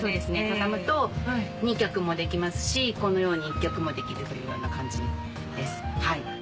畳むと２脚もできますしこのように１脚もできるというような感じです。